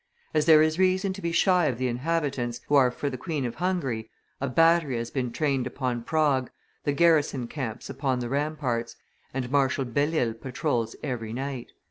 As there is reason to be shy of the inhabitants, who are for the Queen of Hungary, a battery has been trained upon Prague, the garrison camps upon the ramparts, and Marshal Belle Isle patrols every night."